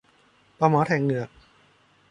ปลาหมอแถกเหงือก